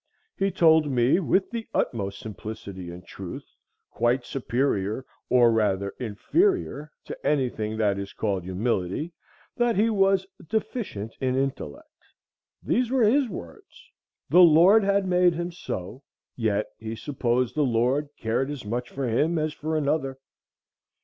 He told me, with the utmost simplicity and truth, quite superior, or rather inferior, to any thing that is called humility, that he was "deficient in intellect." These were his words. The Lord had made him so, yet he supposed the Lord cared as much for him as for another.